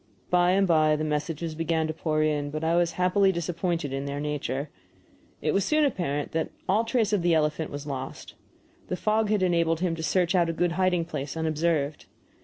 By and by the messages began to pour in, but I was happily disappointed in their nature. It was soon apparent that all trace of the elephant was lost. The fog had enabled him to search out a good hiding place unobserved.